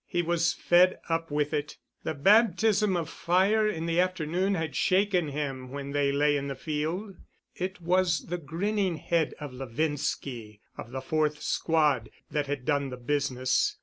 He was fed up with it. The baptism of fire in the afternoon had shaken him when they lay in the field. It was the grinning head of Levinski of the fourth squad that had done the business.